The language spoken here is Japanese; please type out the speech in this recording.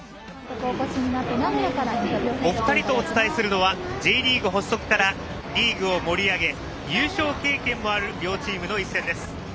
お二人とお伝えするのはＪリーグ発足からリーグを盛り上げ優勝経験もある両チームの一戦です。